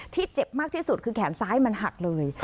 เจ็บมากที่สุดคือแขนซ้ายมันหักเลย